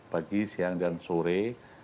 pagi siang dan sore